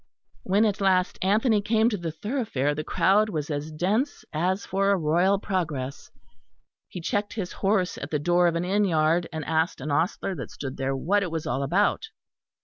When at last Anthony came to the thoroughfare the crowd was as dense as for a royal progress. He checked his horse at the door of an inn yard, and asked an ostler that stood there what it was all about.